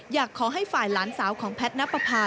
อยากให้ฝ่ายหลานสาวของแพทย์นับประพา